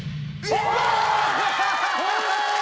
やったー！